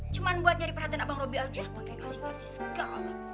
cuman buat nyari perhatian abang robby aja pakai ngasih ngasih segala